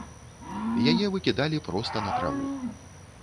Яе выкідалі проста на траву.